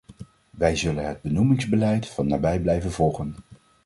Wij zullen het benoemingsbeleid van nabij blijven volgen.